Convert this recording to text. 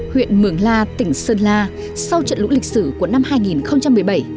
huyện mường la tỉnh sơn la sau trận lũ lịch sử của năm hai nghìn một mươi bảy